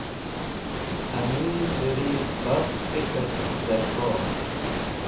Amirvẽri baf fikẽr dẽrkor.